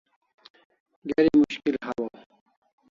Geri mushkil hawaw